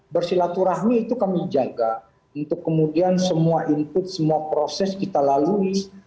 bersilaturahmi itu kami jaga untuk kemudian semua input semua proses kita lalui